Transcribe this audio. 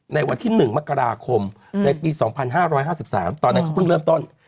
ในวันที่๑มกราคมในปี๒๕๕๓ตอนนั้นเขาเพิ่งเริ่มต้น